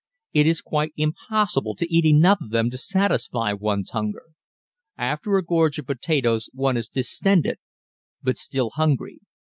It is quite impossible to eat enough of them to satisfy one's hunger. After a gorge of potatoes one is distended but still hungry.